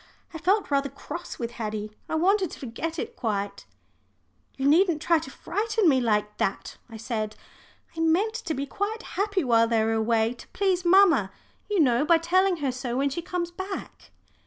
I felt rather cross with Haddie; I wanted to forget it quite. "You needn't try to frighten me like that," I said. "I meant to be quite happy while they were away to please mamma, you know, by telling her so when she comes back."